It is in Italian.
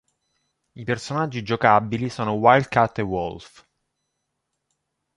I personaggi giocabili sono Wildcat e Wolfe.